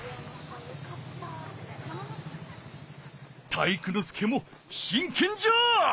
体育ノ介もしんけんじゃ！